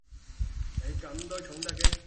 你噉都重得嘅